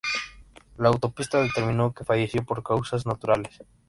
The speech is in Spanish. La autopsia determinó que falleció por causas naturales.